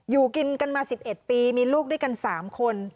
อยู่กินกันมา๑๑ปีมีลูกด้วยกัน๓คน